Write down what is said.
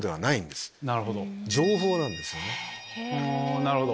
なるほど。